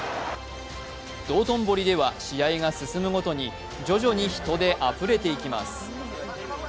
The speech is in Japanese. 道頓堀では試合が進むごとに徐々に人であふれていきます。